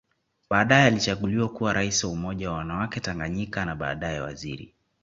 Baadae alichaguliwa kuwa Rais wa Umoja wa wanawake Tanganyika na baadae Waziri